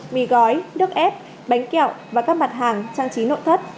mì gói nước ép bánh kẹo và các mặt hàng trang trí nội thất